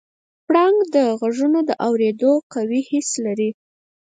پړانګ د غږونو د اورېدو قوي حس لري.